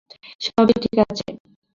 সবাই ঠিক আছে?